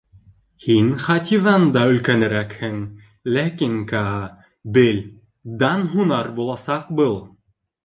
Һин Хатиҙан да өлкәнерәкһең, ләкин Каа, бел, дан һунар буласаҡ был!